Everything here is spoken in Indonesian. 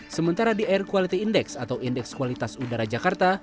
sementara di air quality index atau indeks kualitas udara jakarta